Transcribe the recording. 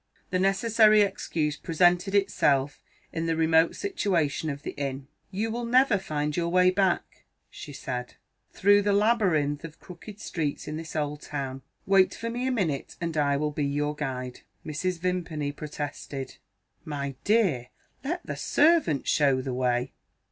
The necessary excuse presented itself in the remote situation of the inn. "You will never find your way back," she said, "through the labyrinth of crooked streets in this old town. Wait for me a minute, and I will be your guide." Mrs. Vimpany protested. "My dear! let the servant show the way."